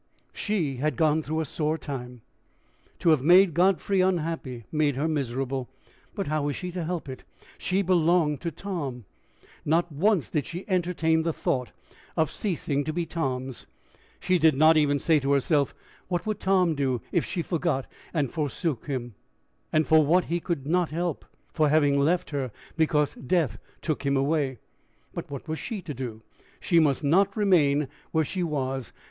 She had gone through a sore time. To have made Godfrey unhappy, made her miserable; but how was she to help it? She belonged to Tom! Not once did she entertain the thought of ceasing to be Tom's. She did not even say to herself, what would Tom do if she forgot and forsook him and for what he could not help! for having left her because death took him away! But what was she to do? She must not remain where she was.